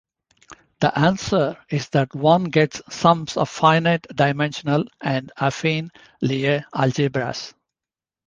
The answer is that one gets sums of finite-dimensional and affine Lie algebras.